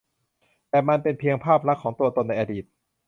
แต่มันเป็นเพียงภาพลักษณ์ของตัวตนในอดีต